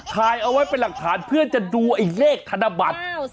ถ่ายเอาไว้เป็นหลักฐานเพื่อจะดูไอ้เลขธนบัตร